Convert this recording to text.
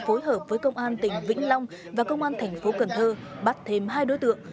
phối hợp với công an tỉnh vĩnh long và công an thành phố cần thơ bắt thêm hai đối tượng